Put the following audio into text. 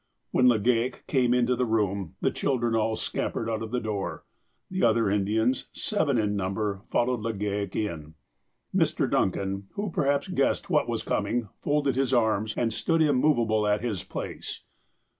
, When Legale came into the room, the children all scampered , out of the door. The other Indians, seven in number, followed Legale in. Mr. Duncan, who perhaps guessed what was coming, folded his arms, and stood im movable at his place.